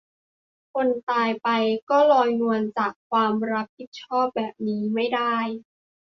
คนตายไป ก็ลอยนวลจากความรับผิดชอบ แบบนี้ไม่ได้